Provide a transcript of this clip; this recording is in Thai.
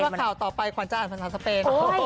ว่าข่าวต่อไปขวัญจะอ่านภาษาสเปน